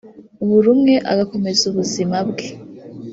buri umwe agakomeza ubuzima bwe